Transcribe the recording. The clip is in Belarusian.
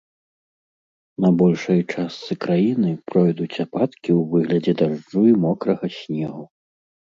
На большай частцы краіны пройдуць ападкі ў выглядзе дажджу і мокрага снегу.